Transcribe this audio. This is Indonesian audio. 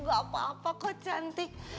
gak apa apa kok cantik